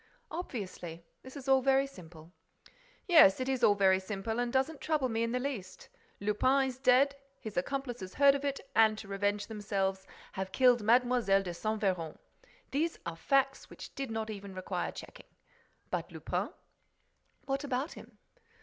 "Obviously. This is all very simple." "Yes, it is all very simple and doesn't trouble me in the least. Lupin is dead, his accomplices heard of it and, to revenge themselves, have killed Mlle. de Saint Véran. These are facts which did not even require checking. But Lupin?" "What about him?"